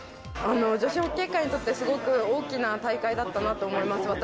女子ホッケー界にとってすごく大きな大会だったなと思います。